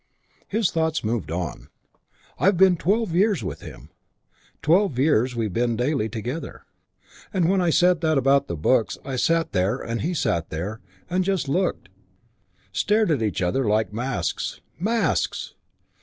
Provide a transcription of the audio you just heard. His thoughts moved on: "I've been twelve years with him. Twelve years we've been daily together, and when I said that about the books I sat there and he sat there and just looked. Stared at each other like masks. Masks!